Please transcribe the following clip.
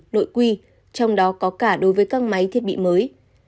nội quy trong đó có cả đối với các máy thiết bị mới